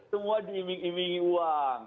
semua diiming imingi uang